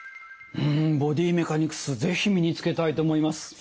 うんボディメカニクス是非身につけたいと思います。